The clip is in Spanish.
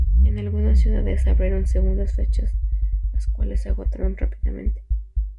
En algunas ciudades se abrieron segundas fechas las cuales se agotaron rápidamente.